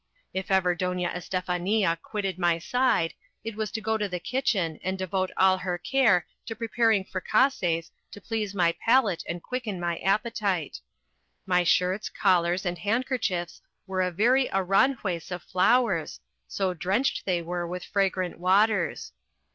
If ever Doña Estefania quitted my side, it was to go to the kitchen and devote all her care to preparing fricassees to please my palate and quicken my appetite. My shirts, collars, and handkerchiefs were a very Aranjuez of flowers, so drenched they were with fragrant waters.